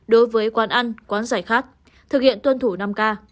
đối với quán ăn quán giải khát thực hiện tuân thủ năm k